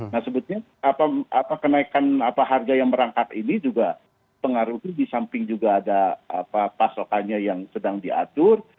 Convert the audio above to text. nah sebutnya kenaikan harga yang merangkat ini juga pengaruhi di samping juga ada pasokannya yang sedang diatur